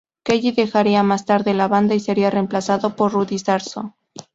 Kelly dejaría más tarde la banda y sería reemplazado por Rudy Sarzo.